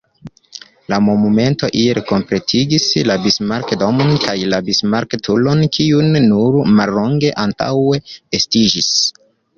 La monumento iel kompletigis la Bismarck-domon kaj la Bismarck-turon kiuj nur mallonge antaŭe estiĝis.